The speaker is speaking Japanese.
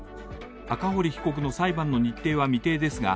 赤堀被告の裁判の日程は未定ですが、